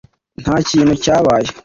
nta kintu cyabaye.